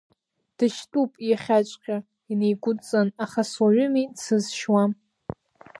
Дышьтәуп иахьаҵәҟьа инеигәыдҵан, аха, суаҩыми, дсызшьуам.